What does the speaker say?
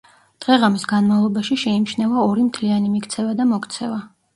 დღე-ღამის განმავლობაში შეიმჩნევა ორი მთლიანი მიქცევა და მოქცევა.